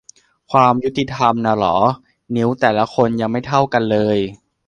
ความยุติธรรมนะเหรอ นิ้วแต่ละคนยังไม่เท่ากันเลย